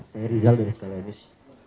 saya rizal dari skala news